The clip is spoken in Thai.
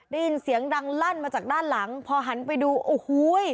ได้ยินเสียงดังลั่นมาจากด้านหลังพอหันไปดูโอ้โห